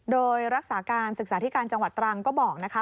โดยรักษาการศึกษาที่การจังหวัดตรังก็บอกนะคะ